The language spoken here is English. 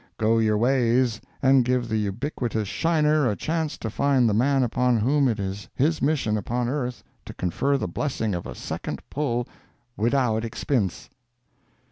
Go your ways, and give the ubiquitous "Shiner" a chance to find the man upon whom it is his mission upon earth to confer the blessing of a second pull "widout expinse."